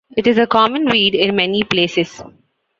It is a common weed in many places.